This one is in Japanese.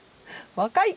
若い！